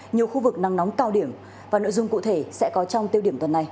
nhiều khu vực nắng nóng cao điểm và nội dung cụ thể sẽ có trong tiêu điểm tuần này